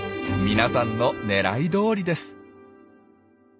みなさんのねらいどおりです。